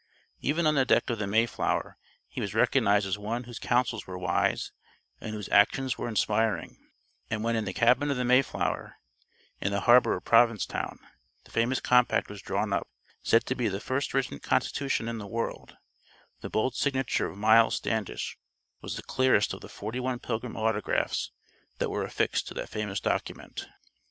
Even on the deck of the Mayflower, he was recognized as one whose counsels were wise and whose actions were inspiring, and when in the cabin of the Mayflower, in the harbor of Provincetown, the famous compact was drawn up, said to be "the first written constitution in the world," the bold signature of "Myles Standish" was the clearest of the forty one Pilgrim autographs that were affixed to that famous document.